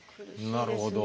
なるほど。